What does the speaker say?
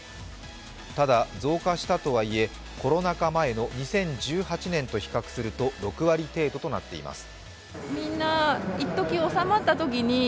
ただ、増加したとはいえコロナ禍前の２０１８年と比較すると６割程度となっています。